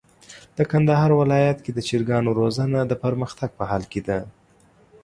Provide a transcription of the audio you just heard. د کندهار ولايت کي د چرګانو روزنه د پرمختګ په حال کي ده.